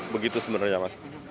begitu sebenarnya mas